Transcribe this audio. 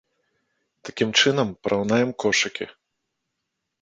Такім чынам, параўнаем кошыкі.